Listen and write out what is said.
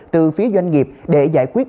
từ phía doanh nghiệp để giải quyết